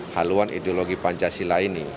haluan ideologi pancasila ini